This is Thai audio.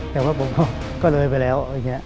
แต่ว่าผมก็เลยไปแล้ว